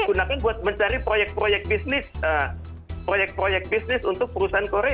gunakan buat mencari proyek proyek bisnis untuk perusahaan korea